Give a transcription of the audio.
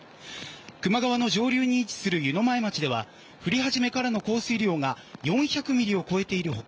球磨川の上流に位置する湯前町では降り始めからの降水量が４００ミリを超えている他